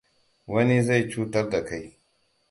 Wani zai cutar da kai.